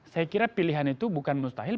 saya kira pilihan itu bukan mustahil